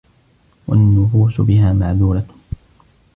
وَالنُّفُوسُ بِهَا مَعْذُورَةٌ